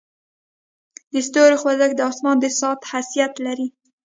د ستورو خوځښت د اسمان د ساعت حیثیت لري.